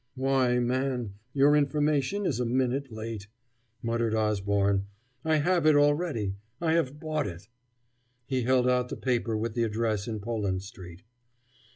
"Why, man, your information is a minute late," muttered Osborne; "I have it already I have bought it." He held out the paper with the address in Poland Street.